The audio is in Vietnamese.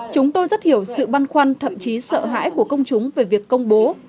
chúng tôi rất hiểu sự băn khoăn thậm chí sợ hãi của công chúng về việc công bố